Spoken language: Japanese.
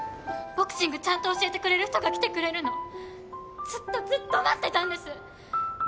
ボクシングちゃんと教えてくれる人が来てくれるのずっとずっと待ってたんです！